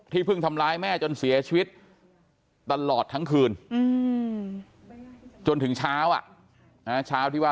เพิ่งทำร้ายแม่จนเสียชีวิตตลอดทั้งคืนจนถึงเช้าเช้าที่ว่า